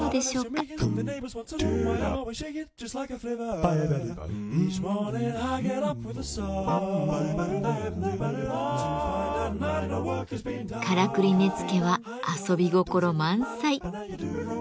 「からくり根付」は遊び心満載。